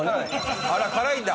あら辛いんだ！